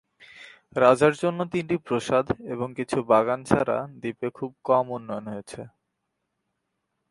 রাজার জন্য তিনটি প্রাসাদ এবং কিছু বাগান ছাড়া দ্বীপে খুব কম উন্নয়ন হয়েছে।